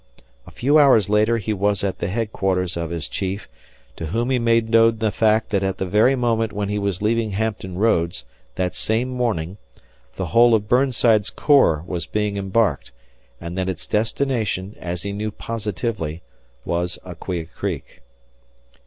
A few hours later he was at the headquarters of his chief, to whom he made known the fact that at the very moment when he was leaving Hampton Roads, that same morning, the whole of Burnside's corps was being embarked, and that its destination, as he knew positively, was Aquia Creek.